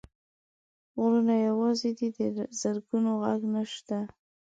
غرونه یوازي دي، د زرکو ږغ نشته